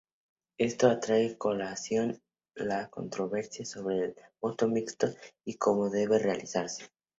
Esto trae a colación la controversia sobre el voto mixto y cómo debe realizarse.